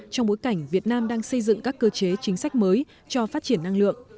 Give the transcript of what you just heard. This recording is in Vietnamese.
trong bối cảnh việt nam đang xây dựng các cơ chế chính sách mới cho phát triển năng lượng